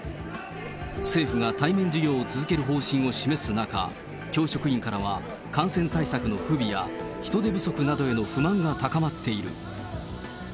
政府が対面授業を続ける方針を示す中、教職員からは感染対策の不備や人手不足などへの不満が高まっている。